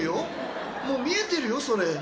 もう見えてるよそれ